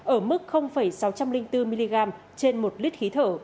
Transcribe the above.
ở mức sáu trăm linh bốn mg trên một lít khí thở